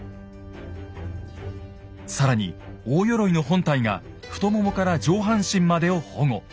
更に大鎧の本体が太ももから上半身までを保護。